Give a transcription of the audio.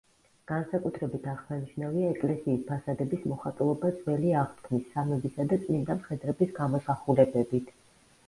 განსაკუთრებით აღსანიშნავია ეკლესიის ფასადების მოხატულობა ძველი აღთქმის, სამებისა და წმინდა მხედრების გამოსახულებებით.